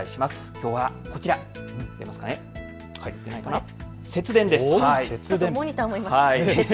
きょうはこちら、節電です。